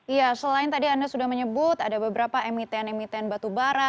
iya selain tadi anda sudah menyebut ada beberapa emiten emiten batubara